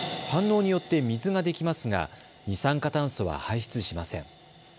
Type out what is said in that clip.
反応によって水ができますが二酸化炭素は排出しません。